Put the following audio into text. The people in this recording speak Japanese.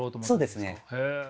そうですね。